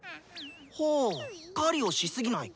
ほぅ「狩りをしすぎない」？